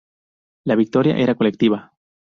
La victoria era colectiva.